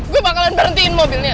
gue bakalan berhentiin mobilnya